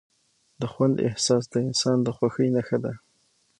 د خوند احساس د انسان د خوښۍ نښه ده.